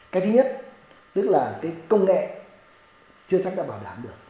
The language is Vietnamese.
cái thứ nhất tức là cái công nghệ chưa chắc đã bảo đảm được